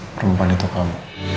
perempuan itu kamu